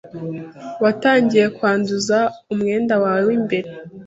watangiye kwanduza umwenda wawe w’imbere,